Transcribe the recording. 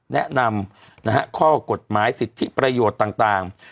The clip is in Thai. แนะนำข้อกฎหมายสิทธิประโยชน์ต่าง